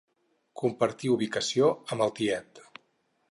Compartir ubicació amb el tiet.